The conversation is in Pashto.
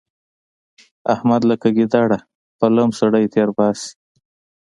احمد لکه ګيدړه په لم سړی تېرباسي.